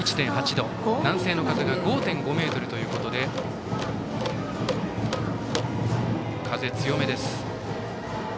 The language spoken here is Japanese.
南西の風が５．５メートルということで風、強めです。